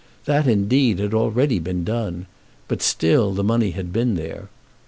That, indeed, had already been done; but still the money had been there.